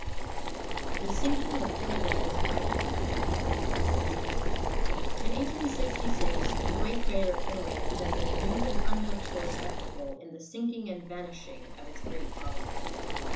THE SINKING OF KILAUEA'S FIRE LAKE In 1866 the great crater of Kilauea presented a new and unlooked for spectacle in the sinking and vanishing of its great lava lake.